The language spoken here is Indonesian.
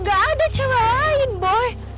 gak ada cewek lain boy